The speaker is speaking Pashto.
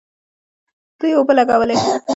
دوی اوبه لګولې.